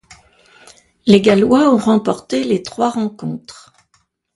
Les Gallois ont remporté les trois rencontres.